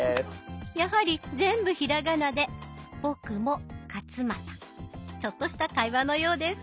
やはり全部ひらがなでちょっとした会話のようです。